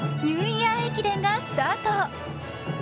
ニューイヤー駅伝がスタート。